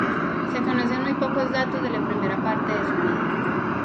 Se conocen muy pocos datos de la primera parte de su vida.